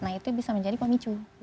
nah itu bisa menjadi pemicu